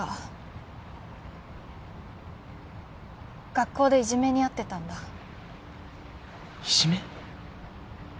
遙学校でいじめにあってたんだいじめ？